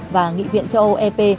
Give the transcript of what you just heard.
và nghị viện châu âu ep